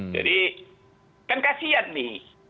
jadi kan kasihan nih